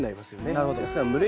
なるほど。